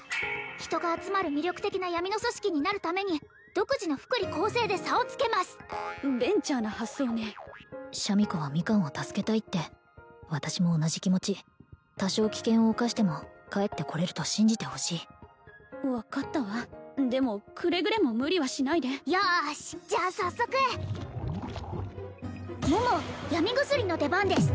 人が集まる魅力的な闇の組織になるために独自の福利厚生で差をつけますベンチャーな発想ねシャミ子はミカンを助けたいって私も同じ気持ち多少危険を冒しても帰ってこれると信じてほしい分かったわでもくれぐれも無理はしないでよしじゃあ早速桃闇薬の出番です